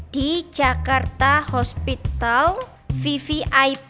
di jakarta hospital vvip